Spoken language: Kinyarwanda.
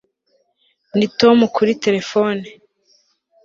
t] ni tom kuri terefone